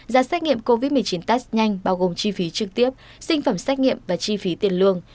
giá xét nghiệm covid một mươi chín test nhanh bao gồm chi phí trực tiếp sinh phẩm xét nghiệm và chi phí tiền lương